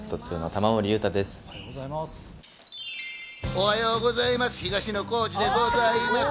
おはようございます。